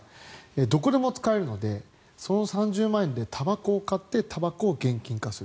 どこでも使えるのでその３０万円で、たばこを買ってたばこを現金化する。